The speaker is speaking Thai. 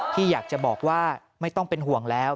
ที่อยากจะบอกว่าไม่ต้องเป็นห่วงแล้ว